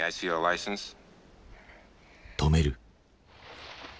止める。